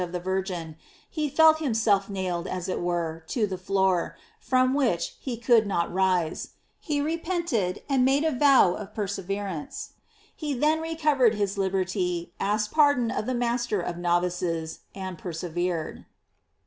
V13 of the Virgin, he felt himself nailed, as it were, to the floor, from which he could not rise. He re pented, and made a vow of persevering. He then recovered his liberty, asked pardon of the master of novices, and persevered.